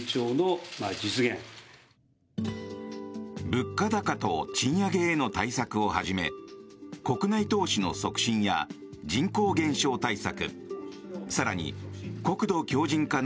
物価高と賃上げへの対策をはじめ国内投資の促進や人口減少対策